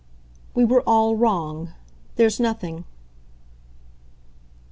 "We were all wrong. There's nothing."